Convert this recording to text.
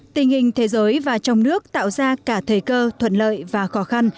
tình hình thế giới và trong nước tạo ra cả thời cơ thuận lợi và khó khăn